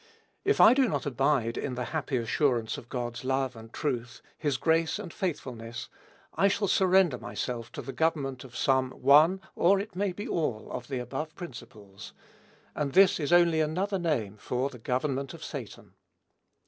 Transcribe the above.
If I do not abide in the happy assurance of God's love and truth, his grace and faithfulness, I shall surrender myself to the government of some one, or it may be all, of the above principles; and this is only another name for the government of Satan.